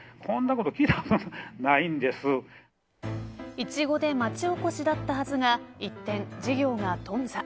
イチゴで町おこしだったはずが一転、事業が頓挫。